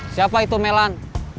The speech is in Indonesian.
siapa itu melan